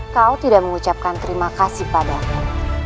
kau tidak mengucapkan terima kasih padamu